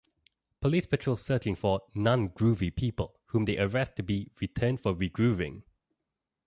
Police patrol searching for "non-groovy" people whom they arrest to be "returned for re-grooving".